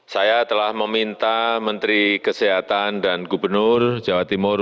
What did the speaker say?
saya telah meminta menteri kesehatan dan gubernur jawa timur